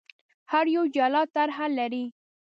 هر یو یې جلا طرح لري.